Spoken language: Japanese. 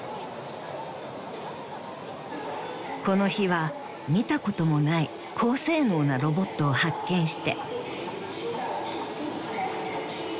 ［この日は見たこともない高性能なロボットを発見して］